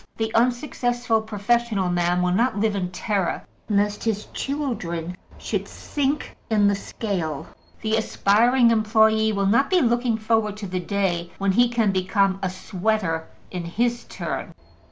The unsuccessful professional man will not live in terror lest his children should sink in the scale; the aspiring employe will not be looking forward to the day when he can become a sweater in his turn.